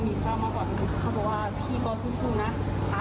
มันก็ว่าพี่ก็สู้สู้นะ